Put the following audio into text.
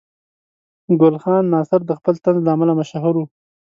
ګل خان ناصر د خپل طنز له امله مشهور و.